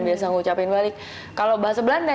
biasa ngucapin balik kalau bahasa belanda